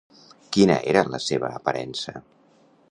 Quina era la seva aparença?